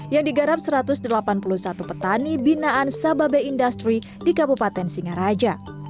yang digarap satu ratus delapan puluh satu petani binaan sababe industri di kabupaten singaraja